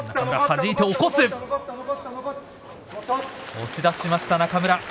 押し出しました、中村。